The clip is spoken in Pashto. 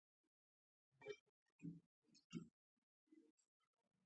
ماهر پخوونکي د مسالې په مقدار او ترکیب په څرنګوالي پوهېږي.